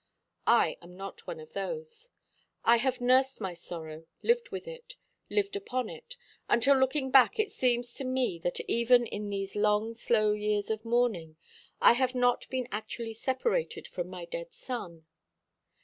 I am not one of those. I have nursed my sorrow, lived with it, lived upon it, until looking back it seems to me that even in these long slow years of mourning I have not been actually separated from my dead son.